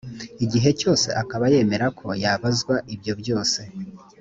igihe cyose akaba yemera ko yabazwa ibyo byose